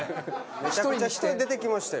めちゃくちゃ人出てきましたよ